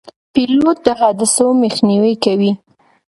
پیلوټ د حادثو مخنیوی کوي.